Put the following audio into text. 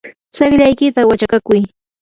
tsiqllaykita wachakakuy.